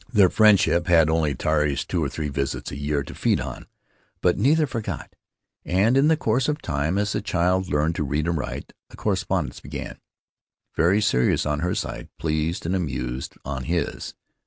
Their friendship had only Tari's two or three visits a year to feed on, but neither forgot, and in the course of time, as the child learned to read and write, a correspondence began — very serious on her side, pleased and amused on his.